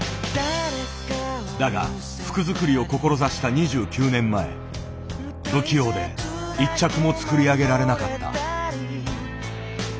だが服作りを志した２９年前不器用で１着も作り上げられなかった。